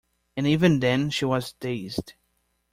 And even then she was dazed.